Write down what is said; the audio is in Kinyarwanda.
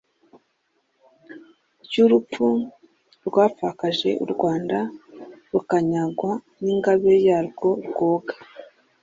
ry’urupfu rwapfakaje u Rwanda rukanyagwa n’ingabe yarwo Rwoga,